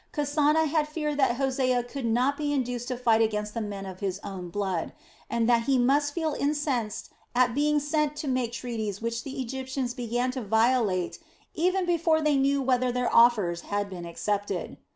Kasana had feared that Hosea could not be induced to fight against the men of his own blood, and that he must feel incensed at being sent to make treaties which the Egyptians began to violate even before they knew whether their offers had been accepted.